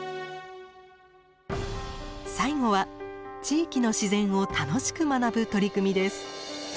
最後は地域の自然を楽しく学ぶ取り組みです。